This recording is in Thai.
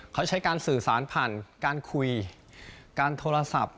เขาใช้การสื่อสารผ่านการคุยการโทรศัพท์